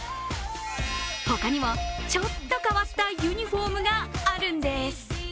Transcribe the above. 他にも、ちょっと変わったユニフォームがあるんです。